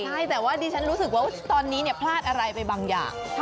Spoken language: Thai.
ใช่แต่ว่าดิฉันรู้สึกว่าตอนนี้พลาดอะไรไปบางอย่าง